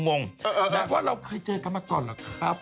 งงนะว่าเราเคยเจอกันมาก่อนเหรอครับ